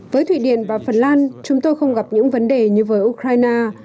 với thụy điển và phần lan chúng tôi không gặp những vấn đề như với ukraine